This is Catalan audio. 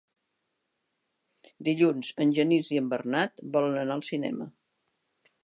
Dilluns en Genís i en Bernat volen anar al cinema.